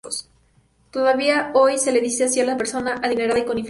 Todavía hoy se le dice así a la persona adinerada y con influencias.